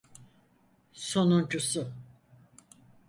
Sonuncusu.